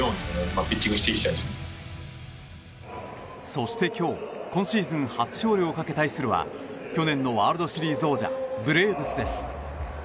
そして今日今シーズン初勝利をかけ対するは去年のワールドシリーズ王者ブレーブスです。